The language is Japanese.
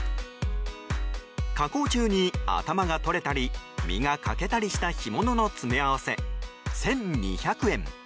加工中に頭が取れたり身が欠けたりした干物の詰め合わせ、１２００円。